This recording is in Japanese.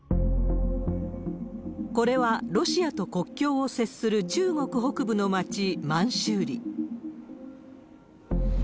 これはロシアと国境を接する中国北部の町、満州里。